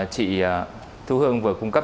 chị thu hương vừa cung cấp